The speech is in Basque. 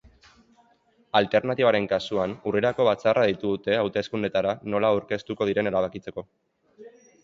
Alternatibaren kasuan, urrirako batzarra deitu dute hauteskundeetara nola aurkeztuko diren erabakitzeko.